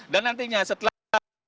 dan nantinya setelah